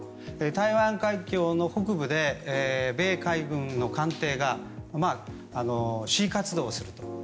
台湾海峡の北部で米海軍の艦艇が示威活動をすると。